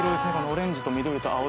オレンジと緑と青！